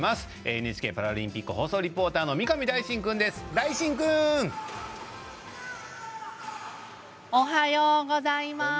ＮＨＫパラリンピック放送リポーターのおはようございます。